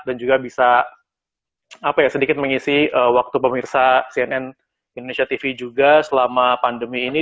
dan juga bisa apa ya sedikit mengisi waktu pemirsa cnn indonesia tv juga selama pandemi ini